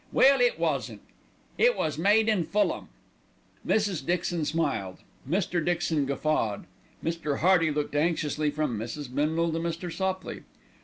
Well, it wasn't; it was made in Fulham." Mrs. Dixon smiled. Mr. Dixon guffawed. Mr. Hearty looked anxiously from Mrs. Bindle to Mr. Sopley.